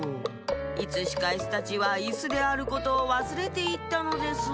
いつしかイスたちはイスであることをわすれていったのです。